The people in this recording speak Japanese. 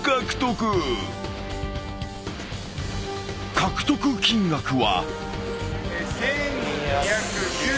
［獲得金額は］